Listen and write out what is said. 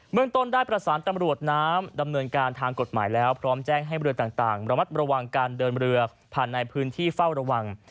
เมืองต้นได้ประสานตำรวจน้ำดำเนินการทางกฎหมายแล้วพร้อมแจ้งให้เรือต่างระมัดระวังการเดินเรือผ่านในพื้นที่เฝ้าระวัง